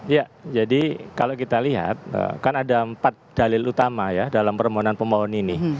ya jadi kalau kita lihat kan ada empat dalil utama ya dalam permohonan pemohon ini